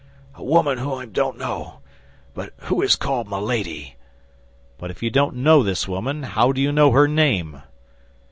"A woman whom I don't know, but who is called Milady." "But if you don't know this woman, how do you know her name?"